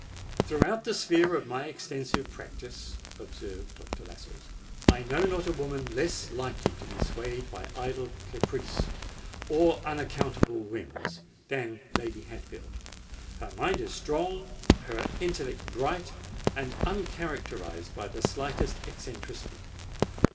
"Throughout the sphere of my extensive practice," observed Dr. Lascelles, "I know not a woman less likely to be swayed by idle caprice or unaccountable whims than Lady Hatfield. Her mind is strong—her intellect bright and uncharacterised by the slightest eccentricity.